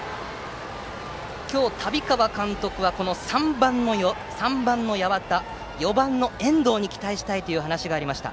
今日、旅川監督はこの３番の八幡４番の遠藤に期待したいという話をしていました。